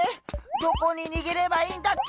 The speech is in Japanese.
どこににげればいいんだっけ？